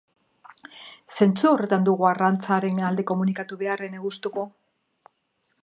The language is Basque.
Zentzu horretan dugu arrantzaren alde komunikatu behar, ene gustuko.